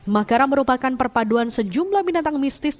makara merupakan perpaduan sejumlah binatang mistis